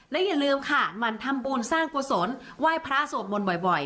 และอย่าลืมค่ะหมั่นทำบุญสร้างกุศลไหว้พระสวดมนต์บ่อย